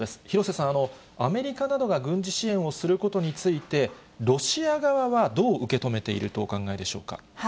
廣瀬さん、アメリカなどが軍事支援をすることについて、ロシア側はどう受け止めているとお考えでしょうか。